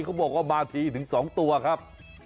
เขาบอกว่ามาทีถึง๒ตัวครับ